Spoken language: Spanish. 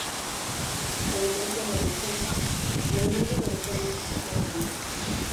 Además de realizar música para anuncios.